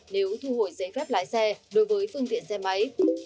nếu thu hồi giấy phép lái xe đối với phương tiện xe máy